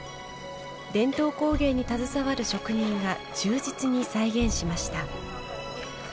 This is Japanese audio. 伝統工芸に携わる職人が忠実に再現しました。